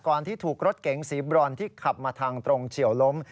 ที่ถูกรถเก๋งสีบรอนที่ขับมาทางตรงเฉียวล้ม